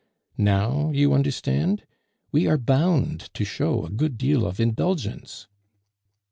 Now you understand? We are bound to show a good deal of indulgence."